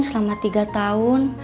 selama tiga tahun